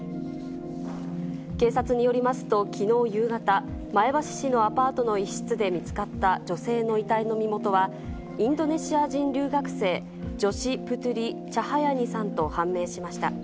警察によりますと、きのう夕方、前橋市のアパートの一室で見つかった女性の遺体の身元は、インドネシア人留学生、ジョシ・プトゥリ・チャハヤニさんと判明しました。